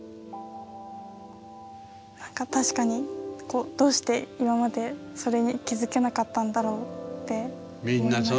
何か確かにどうして今までそれに気付けなかったんだろうって思いました。